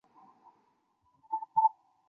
其论元结构为作通格语言。